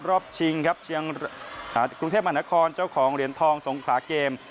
ชิงครับกรุงเทพมหานครเจ้าของเหรียญทองสงขลาเกม